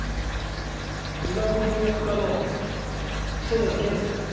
字幕翻訳家の磯村健さんです。